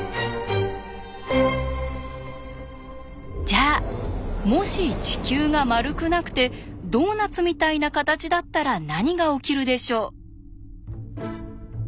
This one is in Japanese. じゃあもし地球が丸くなくてドーナツみたいな形だったら何が起きるでしょう？